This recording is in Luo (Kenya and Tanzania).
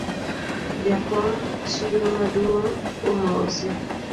Jakom chiro maduong’ omosi